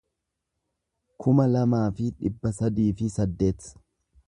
kuma lamaa fi dhibba sadii fi saddeet